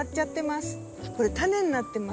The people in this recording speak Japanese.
これタネになってます。